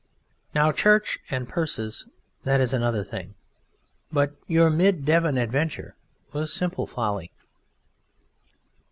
Now church and purses, that is another thing, but your mid Devon adventure was simple folly.